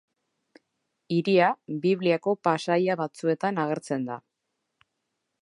Hiria, Bibliako pasaia batzuetan agertzen da.